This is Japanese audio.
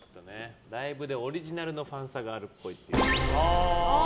ライブでオリジナルのファンサがあるっぽい。